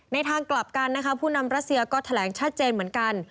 ทางกลับกันนะคะผู้นำรัสเซียก็แถลงชัดเจนเหมือนกัน